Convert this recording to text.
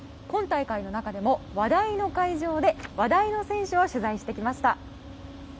今大会の中でも話題の会場で話題の選手を取材してきました。